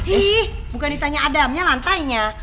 ih bukan ditanya adamnya lantainya